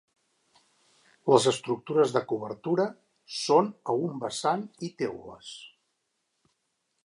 Les estructures de cobertura són a un vessant i teules.